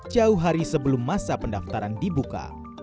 jauh hari sebelum masa pendaftaran dibuka